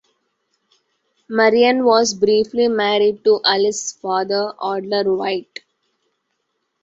Marian was briefly married to Alice's father, Audler White.